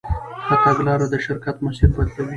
ښه تګلاره د شرکت مسیر بدلوي.